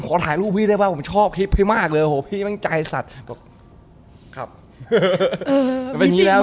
ขอถ่ายรูปแบบว่าผมชอบคลิปค์ให้มากเลย